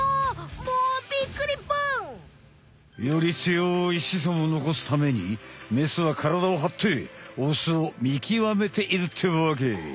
もうびっくりぽん！より強いしそんを残すためにメスはからだをはってオスをみきわめているってわけ。